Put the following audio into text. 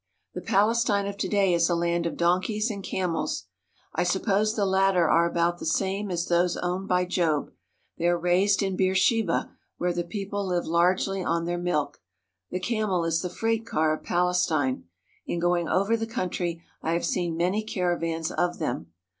The Palestine of to day is a land of donkeys and cam els. I suppose the latter are about the same as those owned by Job. They are raised in Beersheba, where the people live largely on their milk. The camel is the freight car of Palestine. In going over the country I have seen many caravans of them.